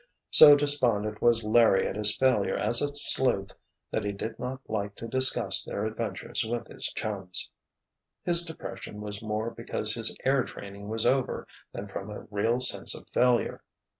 So despondent was Larry at his failure as a sleuth that he did not like to discuss their adventures with his chums. His depression was more because his air training was over than from a real sense of failure.